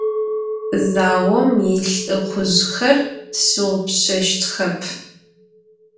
Zaom yilh'ıxhuzjxer tşığupşşeştxep.